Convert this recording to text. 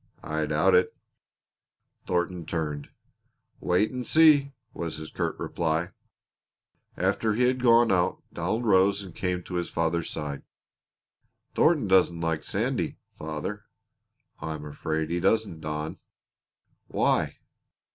"I doubt it." Thornton turned. "Wait and see," was his curt reply. After he had gone out Donald rose and came to his father's side. "Thornton doesn't like Sandy, father." "I am afraid he doesn't, Don." "Why?"